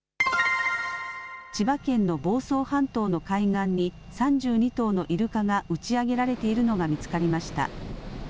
千葉県の房総半島の海岸に３２頭のイルカが打ち上げられているのが見つかりました。